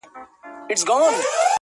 له هر مذهب له هر پیمانه ګوښه -